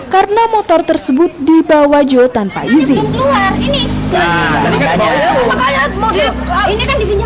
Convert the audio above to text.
karena motor tersebut dibawa jo tanpa izin